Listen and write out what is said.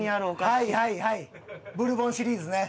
はいはいはいブルボンシリーズね。